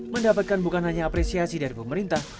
mendapatkan bukan hanya apresiasi dari pemerintah